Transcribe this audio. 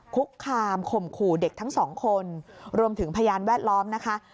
คุกคามข่มขู่เด็กทั้งสองคนรวมถึงพยานแวดล้อมนะคะ